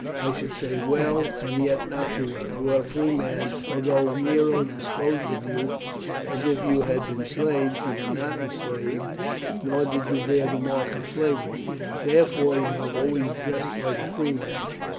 "I should say well, and yet not too well. You are a free man, for although Nero disposed of you as if you had been slaves, you were not enslaved nor did you bear the mark of slavery, therefore you have always dressed like a free man.